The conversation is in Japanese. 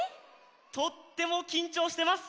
とってもきんちょうしてます。